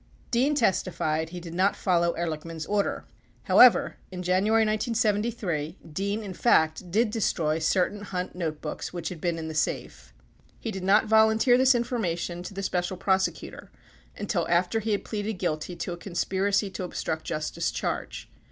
0 Dean testified he did not follow Ehrlichman's order. 10 However, in January 1973, Dean, in fact, did destroy certain Hunt notebooks which had been in the safe. 11 He did not volunteer this information to the Special Prosecutor until after he had pleaded guilty to a con spiracy to obstruct justice charge.